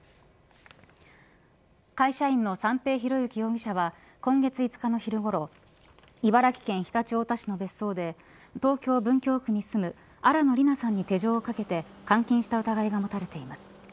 会社員の三瓶博幸容疑者は今月５日の昼ごろ茨城県常陸太田市の別荘で東京、文京区に住む新野りなさんに手錠を掛けて監禁した疑いが持たれています。